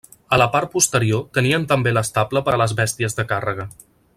A la part posterior tenien també l'estable per a les bèsties de càrrega.